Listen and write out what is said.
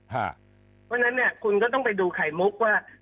เพราะฉะนั้นคุณก็ต้องไปดูไข่มุกว่า